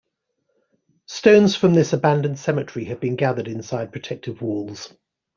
Stones from this abandoned cemetery have been gathered inside protective walls.